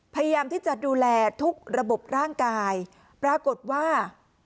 พยายามที่จะดูแลทุกระบบร่างกายปรากฏว่า